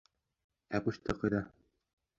Ә почта ҡайҙа?